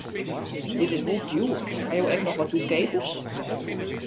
Dit is wol djoer, ha jo ek noch wat goedkeapers?